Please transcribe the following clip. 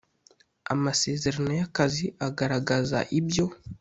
amasezerano y akazi agaragaza ibyo